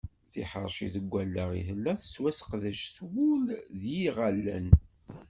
Tiḥerci deg wallaɣ i tella, tettwaseqdec s wul d yiɣallen.